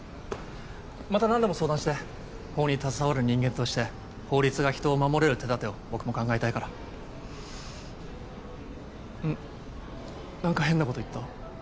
また何でも相談して法に携わる人間として法律が人を守れる手だてを僕も考えたいからうん何か変なこと言った？